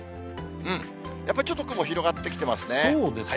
やっぱちょっと雲広がってきてますね。